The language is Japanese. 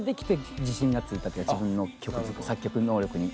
自分の作曲能力に。